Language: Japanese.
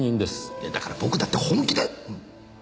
いやだから僕だって本気で！